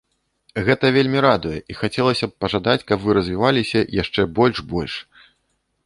Гэта вельмі радуе, і хацелася б пажадаць, каб вы развіваліся яшчэ больш-больш.